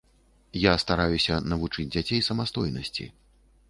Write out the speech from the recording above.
Я стараюся навучыць дзяцей самастойнасці.